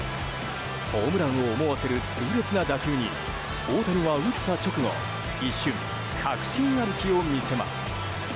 ホームランを思わせる痛烈な打球に大谷は打った直後一瞬、確信歩きを見せます。